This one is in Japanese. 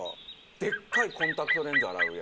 でっかいコンタクトレンズ洗うやつ。